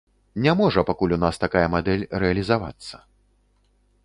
Не можа пакуль у нас такая мадэль рэалізавацца.